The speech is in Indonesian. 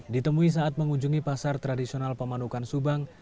ditemui saat mengunjungi pasar tradisional pemanukan subang